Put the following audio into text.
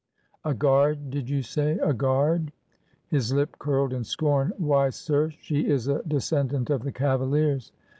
'' A guard, did you say? — a guard?" His lip curled in scorn. ''Why, sir, she is a descendant of the cavaliers!